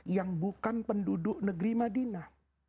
yang bukan penduduk negeri madinah